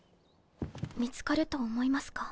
見つかると思いますか？